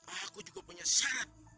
aku juga punya syarat